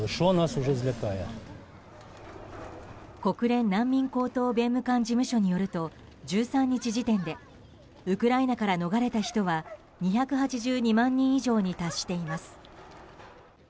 国連難民高等弁務官事務所によると１３日時点でウクライナから逃れた人は２８２万人以上に達しています。